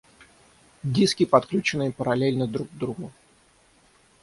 Диски, подключенные параллельно друг к другу